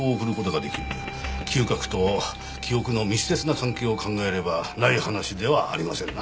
嗅覚と記憶の密接な関係を考えればない話ではありませんな。